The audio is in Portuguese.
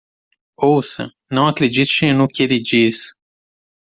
Ouça? não acredite no que ele diz.